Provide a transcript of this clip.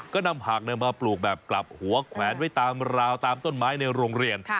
ก็นำผักมาปลูกแบบกลับหัวแขวนไว้ตามราวตามต้นไม้ในโรงเรียน